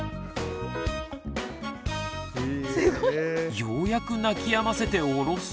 ようやく泣きやませておろすと。